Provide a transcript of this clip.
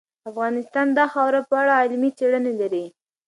افغانستان د خاوره په اړه علمي څېړنې لري.